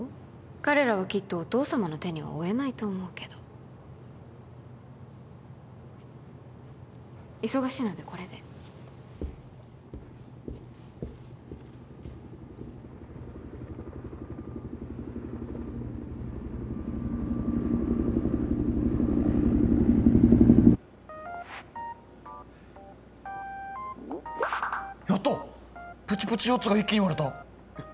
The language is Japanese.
彼らはきっとお父様の手には負えないと思うけど忙しいのでこれでやったプチプチ４つが一気に割れたえっ